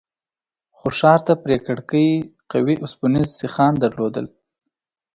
خو ښار ته پرې کړکۍ قوي اوسپنيز سيخان درلودل.